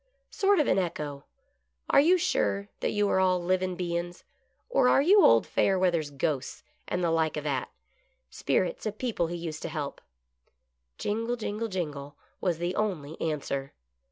Sort of an echo — are you sure that you are all livin' bein's, or are you old Fayerweather's ghosts, and the like o' that ? Spirits of people he used to help ?" Jingle, jingle, j ingle',' was the only answer.